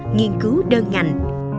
nghiên cứu đơn ngành